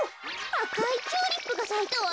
あかいチューリップがさいたわ。